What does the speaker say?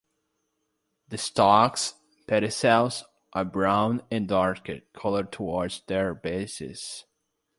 The stalks (pedicels) are brown and darker coloured towards their bases.